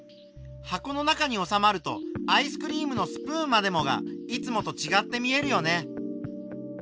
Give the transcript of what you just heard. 箱の中におさまるとアイスクリームのスプーンまでもがいつもとちがって見えるよね。